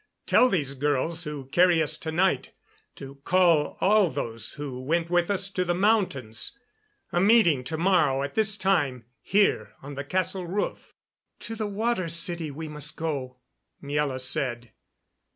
"Tell these girls who carry us to night to call all those who went with us to the mountains a meeting to morrow at this time here on the castle roof." "To the Water City we must go," Miela said.